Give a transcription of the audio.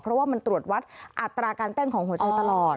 เพราะว่ามันตรวจวัดอัตราการเต้นของหัวใจตลอด